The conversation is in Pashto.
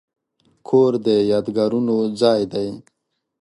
کور د یادګارونو ځای دی.